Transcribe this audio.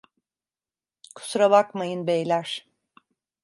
Kusura bakmayın beyler.